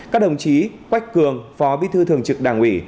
các đồng chí quách cường phó bí thư thường trực đảng ủy